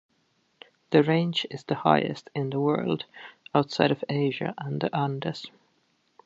The range is the highest in the world outside of Asia and the Andes.